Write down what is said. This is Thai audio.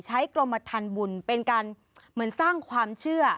กรมทันบุญเป็นการเหมือนสร้างความเชื่อ